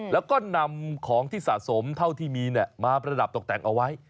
แล้วก็นำของที่สะสมเท่าที่มีมาประดับตกแต่งเอาไว้